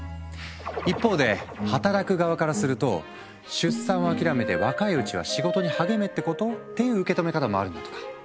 一方で働く側からすると出産を諦めて若いうちは仕事に励めってこと？っていう受け止め方もあるんだとか。